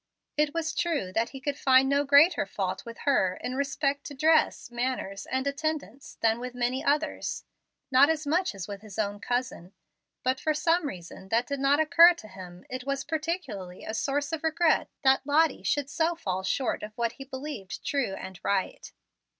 It was true that he could find no greater fault with her in respect to dress, manners, and attendants, than with many others, not as much as with his own cousin. But for some reason that did not occur to him it was peculiarly a source of regret that Lottie should so fall short of what he believed true and right.